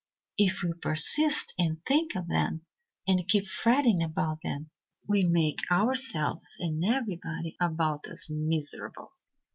If we persist in thinking of them and keep fretting about them, we make ourselves and everybody about us miserable.